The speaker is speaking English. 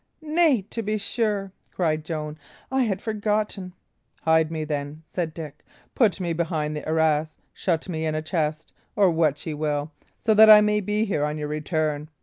"Nay, to be sure!" cried Joan. "I had forgotten." "Hide me, then," said Dick, "put me behind the arras, shut me in a chest, or what ye will, so that I may be here on your return.